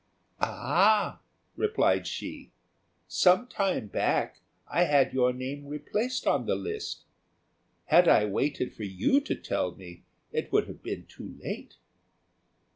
"Ah," replied she, "some time back I had your name replaced upon the list; had I waited for you to tell me, it would have been too late."